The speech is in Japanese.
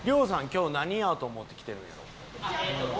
今日何やと思って来てるんやろ？